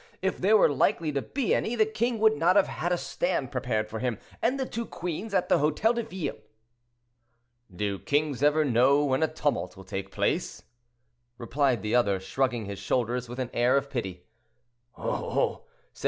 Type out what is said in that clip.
If there were likely to be any, the king would not have had a stand prepared for him and the two queens at the Hotel de Ville." "Do kings ever know when a tumult will take place?" replied the other, shrugging his shoulders with an air of pity. "Oh, oh!" said M.